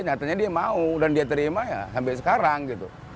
nyatanya dia mau dan dia terima ya sampai sekarang gitu